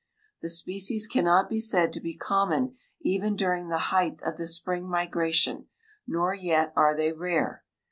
The species cannot be said to be common even during the height of the spring migration, nor yet are they rare.